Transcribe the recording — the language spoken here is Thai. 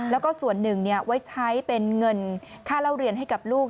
แล้วก็ส่วนหนึ่งไว้ใช้เป็นเงินค่าเล่าเรียนให้กับลูก